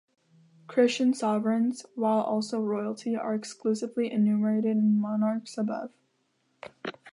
Christian sovereigns, while also "royalty", are exclusively enumerated in "Monarchs" above.